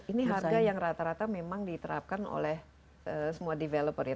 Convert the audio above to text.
ini harga yang rata rata memang diterapkan oleh semua developer ya